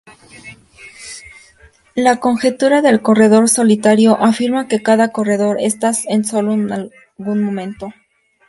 La conjetura del corredor solitario afirma que cada corredor está solo en algún momento.